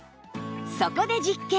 そこで実験！